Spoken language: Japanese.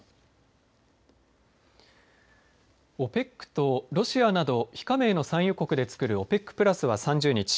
ＯＰＥＣとロシアなど非加盟の産油国でつくるＯＰＥＣプラスは３０日